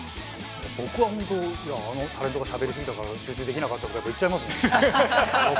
僕は本当「いやあのタレントがしゃべり過ぎたから集中できなかった」とかって言っちゃいますもん。